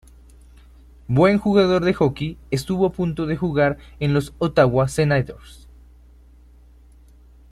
Buen jugador de hockey, estuvo a punto de jugar en los Ottawa Senators.